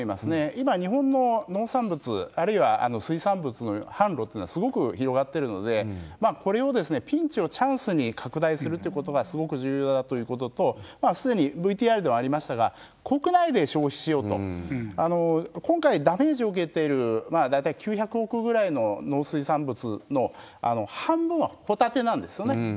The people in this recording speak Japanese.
今、日本の農産物、あるいは、水産物の販路というのはすごく広がってるので、これを、ピンチをチャンスに拡大するというのはすごく重要だということと、すでにＶＴＲでもありましたが、国内で消費しようと、今回ダメージを受けている大体９００億ぐらいの農水産物の半分はホタテなんですよね。